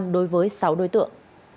đối với sáu đối tượng